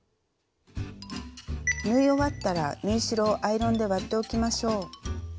縫い終わったら縫い代をアイロンで割っておきましょう。